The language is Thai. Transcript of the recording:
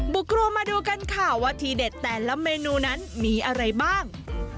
ครูมาดูกันค่ะว่าทีเด็ดแต่ละเมนูนั้นมีอะไรบ้าง